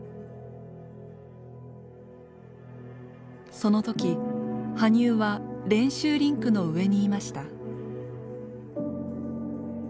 その時羽生は練習リンクの上にいました。